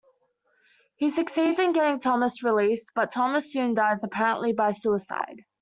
He succeeds in getting Thomas released, but Thomas soon dies, apparently by suicide.